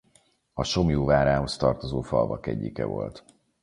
A Somlyó várához tartozó falvak egyike volt.